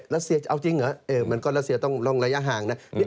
รัสเซียจะเอาจริงเหรอมันก็รัสเซียต้องลงระยะห่างนะ